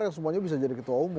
yang semuanya bisa jadi ketua umum